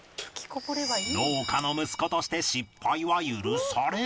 農家の息子として失敗は許されない